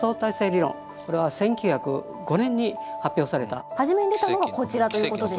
実は特に初めに出たのがこちらということですね。